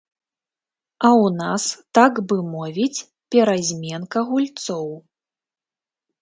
А ў нас, так бы мовіць, перазменка гульцоў.